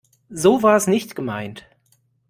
So war es nicht gemeint.